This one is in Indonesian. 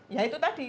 ya itu tadi